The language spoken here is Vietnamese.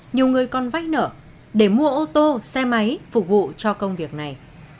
nhiều người còn vách nở để mua ô tô xe máy phục vụ cho công việc này